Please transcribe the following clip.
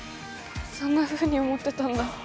そんなふうに思ってたんだ